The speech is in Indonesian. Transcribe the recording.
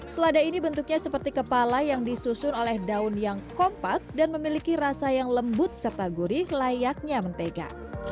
selada ini bentuknya seperti kepala yang disusun oleh daun yang kompak dan memiliki rasa yang lembut serta gurih layaknya mentega